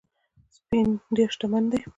سپین ډېر شتمن دی